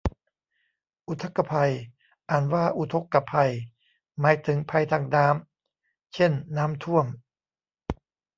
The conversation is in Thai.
อุทกภัย อ่านว่าอุทกกะไพ หมายถึงภัยทางน้ำ เช่นน้ำท่วม